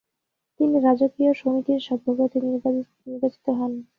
তিনি রাজকীয় সমিতির সভ্যপদে নির্বাচিত হন।